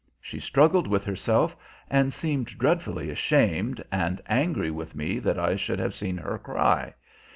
She struggled with herself, and seemed dreadfully ashamed, and angry with me that I should have seen her cry.